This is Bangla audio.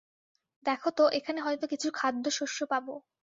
দেখ তো, এখানে হয়তো কিছু খাদ্য শস্য পাব।